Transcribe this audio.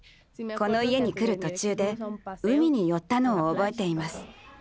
この家に来る途中で海に寄ったのを覚えています。